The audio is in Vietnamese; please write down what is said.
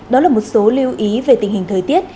đó là một số lưu ý về tình hình thời tiết